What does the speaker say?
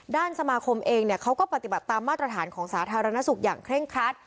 ด้านสมาคมเองเขาก็ปฏิบัติตามมาตรฐานของสาธารณสุขอย่างเคร่งครัด